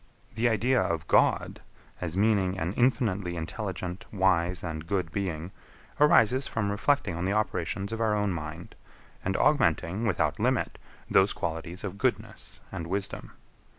The idea of God, as meaning an infinitely intelligent, wise, and good Being, arises from reflecting on the operations of our own mind, and augmenting, without limit, those qualities of goodness and wisdom.